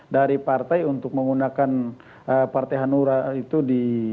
dari partai untuk menggunakan partai hanura itu di